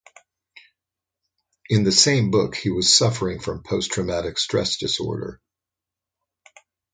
In the same book, he was suffering from Posttraumatic stress disorder.